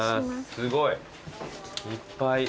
すごい。いっぱい。